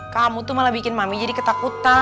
kamu tuh malah bikin mami jadi ketakutan